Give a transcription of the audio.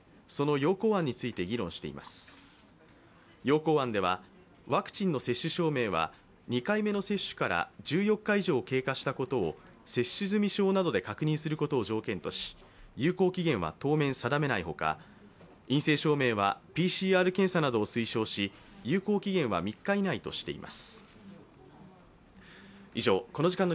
要綱案ではワクチンの接種証明は２回目の接種から１４日以上経過したことを接種済証などで確認することを条件とし有効期限は当面定めない他、陰性証明はＰＣＲ検査などを推奨し、有効期限は３日以内としています。